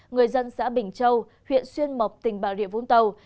người dân xã bình châu huyện xuyên mộc tỉnh bà rịa vũng tàu